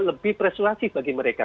lebih persuasif bagi mereka